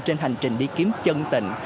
trên hành trình đi kiếm chân tình